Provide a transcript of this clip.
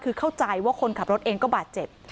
คือเข้าใจว่าคนขับรถเองก็บาดเจ็บ